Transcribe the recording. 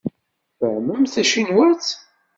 Tfehhmemt tacinwat?